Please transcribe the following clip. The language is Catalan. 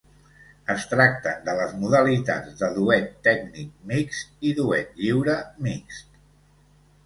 Es tracten de les modalitats de duet tècnic mixt i duet lliure mixt.